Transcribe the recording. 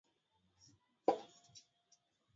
Kuwapa wanyama chanjo huzuia ugonjwa wa miguu na midomo